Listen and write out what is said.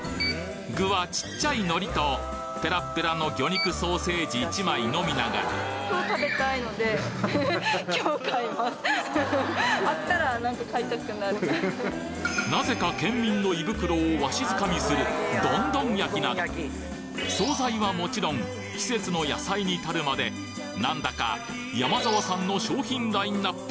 具はちっちゃい海苔とペラッペラの魚肉ソーセージ１枚のみながらなぜか県民の胃袋をわしづかみする惣菜はもちろん季節の野菜に至るまでなんだかヤマザワさんの商品ラインナップ